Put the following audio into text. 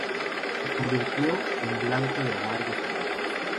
Se convirtió en blanco de amargos ataques.